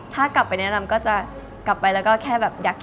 ถ้ากลับไปแนะนำก็จะกลับไปแล้วก็แค่แบบอยาก